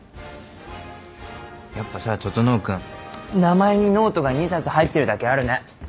やっぱさ整君名前にノートが２冊入ってるだけあるね。